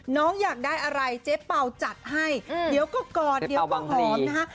อยากได้อะไรเจ๊เป่าจัดให้เดี๋ยวก็กอดเดี๋ยวก็หอมนะคะ